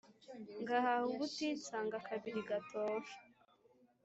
Ngahaha ubutitsa Ngo akabiri gatohe